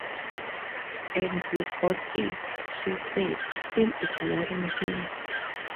“And you got it,” she said, still ignoring him.